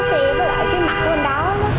với lại cái mặt của anh đó